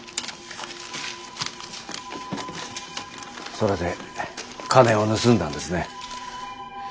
それで金を盗んだんですね。